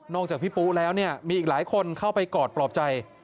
จากพี่ปุ๊แล้วเนี่ยมีอีกหลายคนเข้าไปกอดปลอบใจ